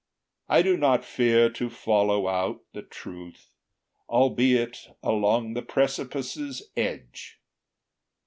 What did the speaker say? I do not fear to follow out the truth, Albeit along the precipice's edge.